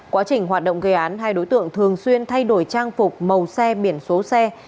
quá trình hoạt động gây án hai đối tượng thường xuyên thay đổi trang phục màu xe biển số xe